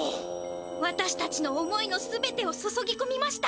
わたしたちの思いの全てをそそぎこみました！